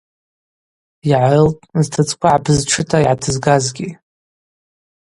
Йгӏарылцӏтӏ, зтыдзква гӏапызтшыта йгӏатызгазгьи.